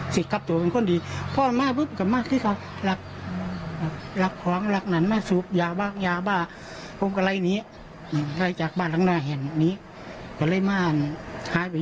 ส่วนสาเหตุแบบนี้นะครับ